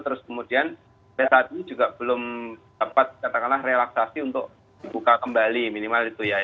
terus kemudian saat ini juga belum dapat katakanlah relaksasi untuk dibuka kembali minimal itu ya